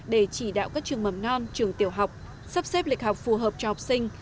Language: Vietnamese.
để chỉ đạo các trường mầm non trường tiểu học sắp xếp lịch học phù hợp cho học sinh